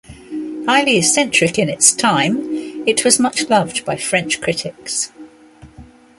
Highly eccentric in its time, it was much loved by French critics.